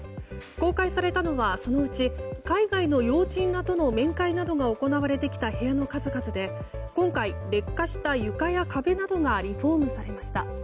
公開されたのはそのうち海外の要人らとの面会などが行われてきた部屋の数々で今回、劣化した床や壁などがリフォームされました。